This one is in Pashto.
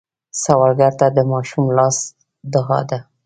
سوالګر ته د ماشوم لاس دعا ده